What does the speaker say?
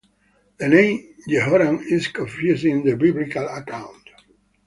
The name Jehoram is confusing in the biblical account.